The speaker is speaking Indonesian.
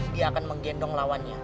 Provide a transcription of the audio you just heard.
dia akan menggendong lawannya